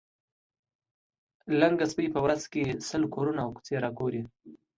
لنګه سپۍ په ورځ کې سل کورونه او کوڅې را ګوري.